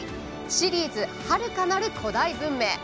「シリーズはるかなる古代文明」。